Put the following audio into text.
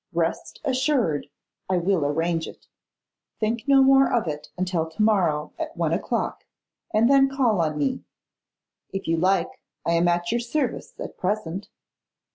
Rest assured, I will arrange it. Think no more of it until to morrow at one o'clock, and then call on me. If you like, I am at your service at present.